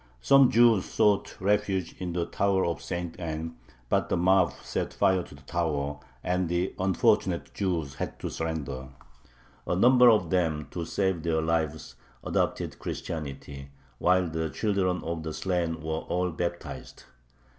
Some Jews sought refuge in the Tower of St. Anne, but the mob set fire to the tower, and the unfortunate Jews had to surrender. A number of them, to save their lives, adopted Christianity, while the children of the slain were all baptized.